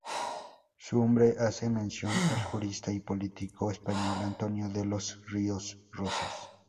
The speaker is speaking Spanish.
Su nombre hace mención al jurista y político español Antonio de los Ríos Rosas.